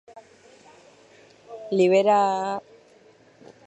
Liberalen aldean, Espartero Lutxanako Konde izendatu zuten.